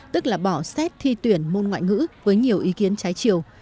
tức là bỏ xét thi tuyển môn ngoại ngữ với nhiều ý kiến trái chiều